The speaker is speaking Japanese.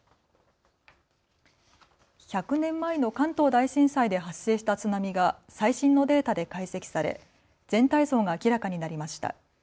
１００年前の関東大震災で発生した津波が最新のデータで解析され全体像が明らかになりました。